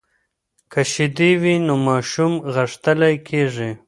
که شیدې وي نو ماشوم غښتلۍ کیږي.